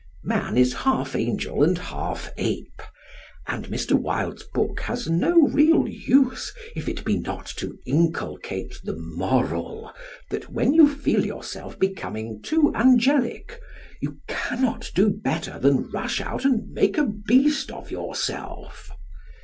Man is half angel and half ape, and Mr. Wilde's book has no real use if it be not to inculcate the "moral" that when you feel yourself becoming too angelic you cannot do better than rush out and make a beast of yourself.